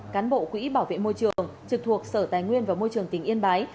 cán bộ quỹ bảo vệ môi trường trực thuộc sở tài nguyên và môi trường tỉnh yên bái